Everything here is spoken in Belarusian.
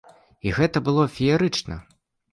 І гэта было феерычна!